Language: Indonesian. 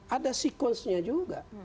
ada sekuensnya juga